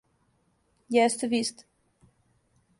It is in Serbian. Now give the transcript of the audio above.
Јесте, ви сте!